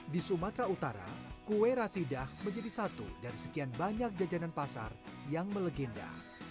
di sumatera utara kue rasidah menjadi satu dari sekian banyak jajanan pasar yang melegenda